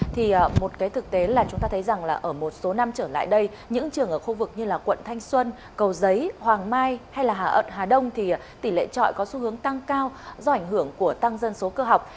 thì một cái thực tế là chúng ta thấy rằng là ở một số năm trở lại đây những trường ở khu vực như là quận thanh xuân cầu giấy hoàng mai hay là hà ân hà đông thì tỷ lệ trọi có xu hướng tăng cao do ảnh hưởng của tăng dân số cơ học